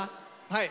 はい。